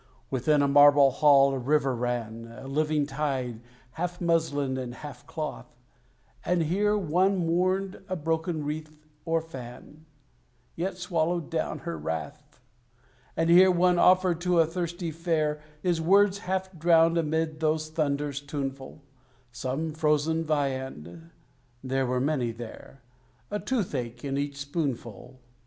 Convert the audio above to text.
Within a marble hall a river ran A living tide, half muslin and half cloth: And here one mourned a broken wreath or fan, Yet swallowed down her wrath; And here one offered to a thirsty fair (His words half drowned amid those thunders tuneful) Some frozen viand (there were many there), A tooth ache in each spoonful.